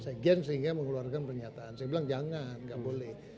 sekjen sehingga mengeluarkan pernyataan saya bilang jangan nggak boleh